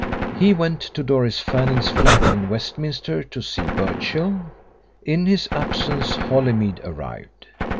He went to Doris Fanning's flat in Westminster to see Birchill. In his absence Holymead arrived.